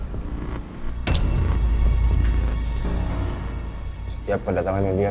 membuat bapak gak nyaman tadi